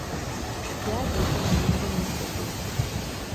kiaketunon eng kenyishe guk.